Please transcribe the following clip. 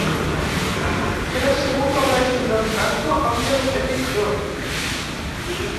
Era segur que el règim d'en Franco havia de ser pitjor